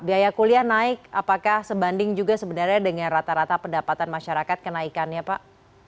biaya kuliah naik apakah sebanding juga sebenarnya dengan rata rata pendapatan masyarakat kenaikannya pak